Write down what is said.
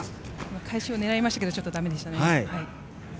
返しを狙いましたけどだめでしたね。